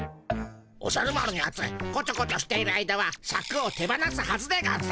おじゃる丸のやつこちょこちょしている間はシャクを手放すはずでゴンス。